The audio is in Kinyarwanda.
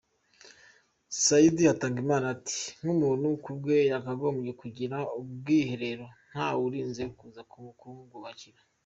Sayidi Hatangimana ati “Nk’umuntu ku bwe yakagombye kugira ubwiherero nta wurinze kuza kubumwubakira.